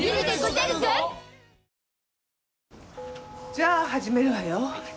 じゃあ始めるわよ。